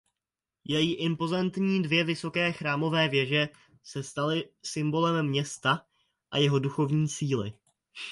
Její impozantní dvě vysoké chrámové věže se staly symbolem města a jeho duchovní síly.